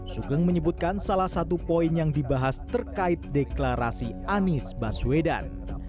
sugeng menyebutkan salah satu poin yang dibahas terkait deklarasi anies baswedan